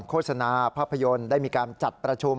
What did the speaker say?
โฆษณาภาพยนตร์ได้มีการจัดประชุม